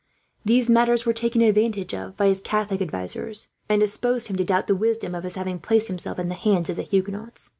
These matters were taken advantage of by his Catholic advisers, and disposed him to doubt the wisdom of his having placed himself in the hands of the Huguenots.